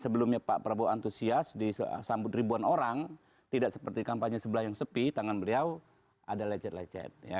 sebelumnya pak prabowo antusias disambut ribuan orang tidak seperti kampanye sebelah yang sepi tangan beliau ada lecet lecet